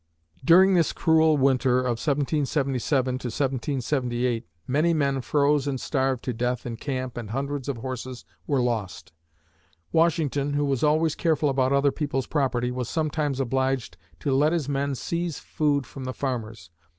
During this cruel winter of 1777 1778, many men froze and starved to death in camp and hundreds of horses were lost. Washington, who was always careful about other people's property, was sometimes obliged to let his men seize food from the farmers.